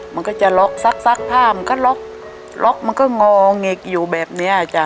มันก็จะล็อกซักซักผ้ามันก็ล็อกล็อกมันก็งอแงกอยู่แบบเนี้ยจ้ะ